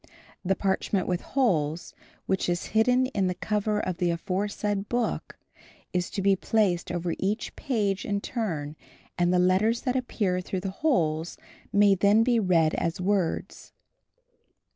The parchment with holes, that is hidden in the cover of the aforesaid book, is to be placed over each page in turn and the letters that appear through the holes may then be read as words."